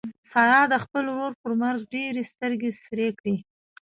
سارا د خپل ورور پر مرګ ډېرې سترګې سرې کړې.